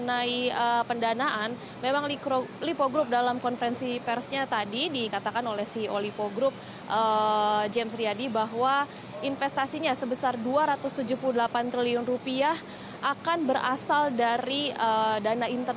dan berbicara mengenai pendanaan memang lipo group dalam konferensi persnya tadi dikatakan oleh si oli po group james riyadi bahwa investasinya sebesar dua ratus tujuh puluh delapan triliun rupiah akan berasal dari dana internal mereka sendiri